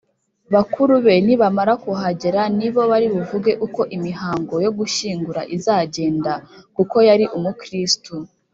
Bakuru be nibamara kuhagera nibo bari buvuge uko imihango yo gushyingura izagenda kuko yari umukristu